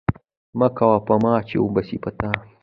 مه کوه په ما، چې وبه سي په تا!